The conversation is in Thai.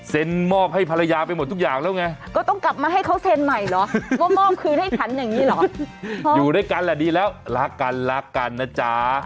มอบให้ภรรยาไปหมดทุกอย่างแล้วไงก็ต้องกลับมาให้เขาเซ็นใหม่เหรอว่ามอบคืนให้ฉันอย่างนี้เหรออยู่ด้วยกันแหละดีแล้วรักกันรักกันนะจ๊ะ